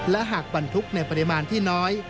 และหากบรรทุกในปริมาณที่น้อย